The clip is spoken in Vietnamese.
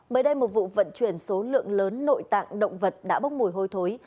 mới đây một vụ vận chuyển số lượng lớn nội tạng động vật đã bốc mùi hôi thối